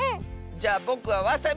じゃあぼくはわさび！